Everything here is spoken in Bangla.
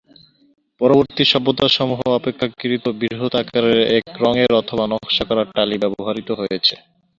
পরবর্তী সভ্যতা সমূহে অপেক্ষাকৃত বৃহৎ আকারের এক রঙের অথবা নকশা করা টালি ব্যবহারিত হয়েছে।